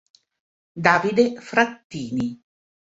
Davide Frattini